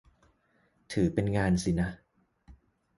ถือเป็นงานสินะ